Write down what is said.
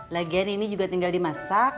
lagian ini juga tinggal dimasak